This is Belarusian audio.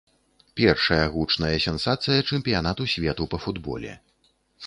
Першая гучная сенсацыя чэмпіянату свету па футболе.